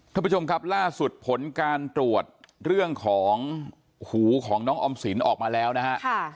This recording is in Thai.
ท่านผู้ชมครับล่าสุดผลการตรวจเรื่องของหูของน้องออมสินออกมาแล้วนะฮะ